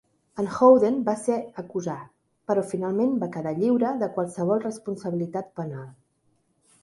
En Howden va ser acusar, però finalment va quedar lliure de qualsevol responsabilitat penal.